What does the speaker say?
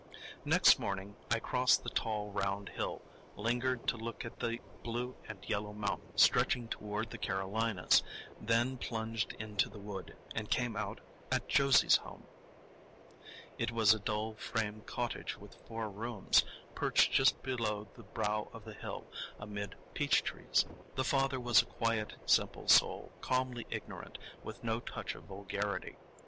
Next morning I crossed the tall round hill, lingered to look at the blue and yellow mountains stretching toward the Carolinas, then plunged into the wood, and came out at Josie's home. It was a dull frame cottage with four rooms, perched just below the brow of the hill, amid peach trees. The father was a quiet, simple soul, calmly ignorant, with no touch of vulgarity.